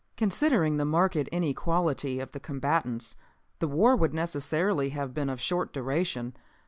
"Considering the marked inequality of the combatants the war would necessarily have been of short duration.